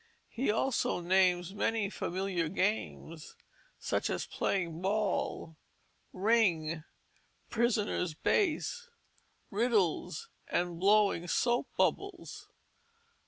He also names many familiar games, such as playing ball, ring, prisoner's base, riddles, and blowing soap bubbles.